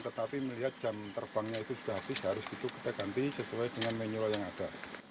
tetapi melihat jam terbangnya itu sudah habis harus gitu kita ganti sesuai dengan manual yang ada